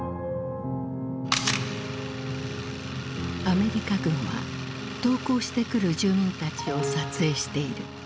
アメリカ軍は投降してくる住民たちを撮影している。